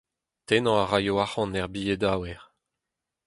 Tennañ a ray arc'hant er bilhedaouer.